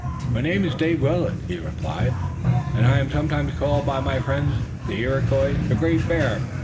"My name is David Willet," he replied, "and I am sometimes called by my friends, the Iroquois, the Great Bear.